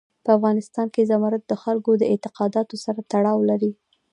په افغانستان کې زمرد د خلکو د اعتقاداتو سره تړاو لري.